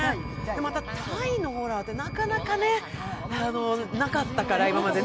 またタイのホラーってなかなかなかったから、今まで。